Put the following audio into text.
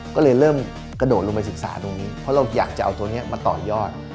ก็เลยเริ่มกระโดดลงไปศึกษาตรงนี้เพราะเราอยากจะเอาตัวนี้มาต่อยอด